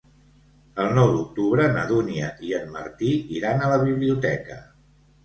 El nou d'octubre na Dúnia i en Martí iran a la biblioteca.